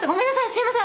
すいません。